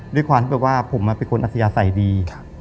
ด้วยความว่าผมเป็นคนอเมริกาใส่ดี